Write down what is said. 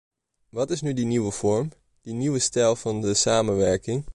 Wat is nu die nieuwe vorm, die nieuwe stijl van de samenwerking?